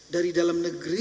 dari dalam negeri